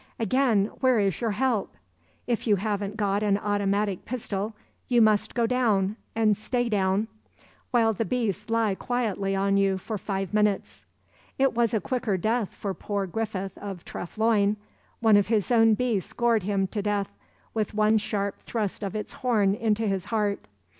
Again, where is your help? If you haven't got an automatic pistol, you must go down and stay down, while the beasts lie quietly on you for five minutes. It was a quicker death for poor Griffith of Treff Loyne—one of his own beasts gored him to death with one sharp thrust of its horn into his heart.